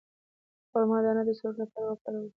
د خرما دانه د سترګو لپاره وکاروئ